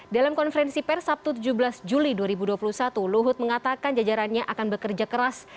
dalam konferensi per sabtu tujuh belas juli dua ribu dua puluh satu luhut mengatakan jajarannya akan bekerja keras